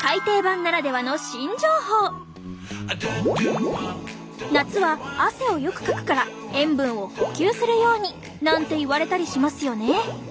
ここで「夏は汗をよくかくから塩分を補給するように」なんて言われたりしますよね。